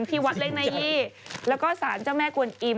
ที่วัดเล็กนายีแล้วก็สารเจ้าแม่กวนอิ่ม